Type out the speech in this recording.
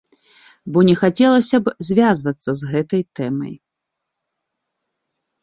Бо не хацелася б звязвацца з гэтай тэмай.